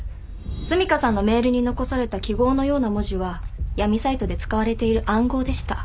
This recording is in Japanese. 澄香さんのメールに残された記号のような文字は闇サイトで使われている暗号でした。